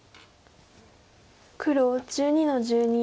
黒１２の十二。